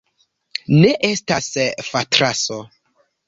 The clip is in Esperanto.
Ne estas fatraso.